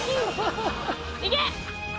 いけ！